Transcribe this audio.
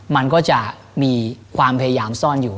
มันก็จะมีความพยายามซ่อนอยู่